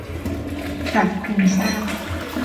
ปรับโครงสร้าง